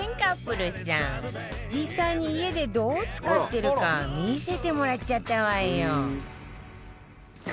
実際に家でどう使っているか見せてもらっちゃったわよ